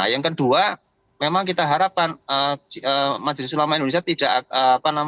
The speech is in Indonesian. yang kedua memang kita harapkan majelis ulama indonesia